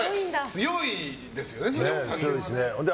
強いですね。